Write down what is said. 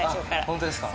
ホントですか？